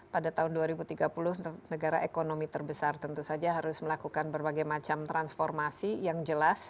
pada tahun dua ribu tiga puluh negara ekonomi terbesar tentu saja harus melakukan berbagai macam transformasi yang jelas